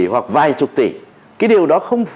hoặc vài chục tỷ cái điều đó không